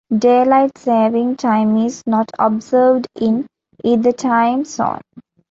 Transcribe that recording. Daylight saving time is not observed in either time zone.